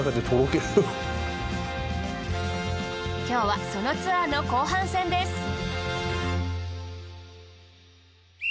今日はそのツアーの後半戦です。